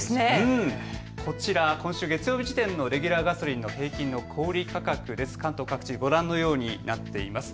こちら今週月曜日時点でのレギュラーガソリン価格、関東各地ご覧のようになっています。